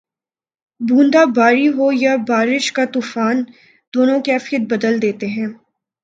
بوندا باندی ہو یا بارش کا طوفان، دونوں کیفیت بدل دیتے ہیں